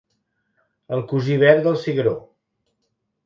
El cosí verd del cigró.